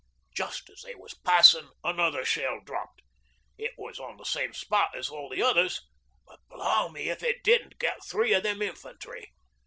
Just as they was passin' another shell dropped. It was on the same spot as all the others, but blow me if it didn't get three of them infantry.